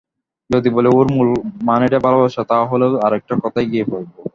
যদি বলি ওর মূল মানেটা ভালোবাসা তা হলেও আর-একটা কথায় গিয়ে পড়ব।